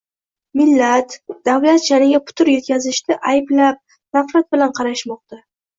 millat, davlat sha’niga putur yetkazishda ayblab, nafrat bilan qarashmoqda.